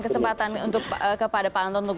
kesempatan kepada pak anton